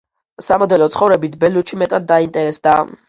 სამოდელო ცხოვრებით ბელუჩი მეტად დაინტერესდა.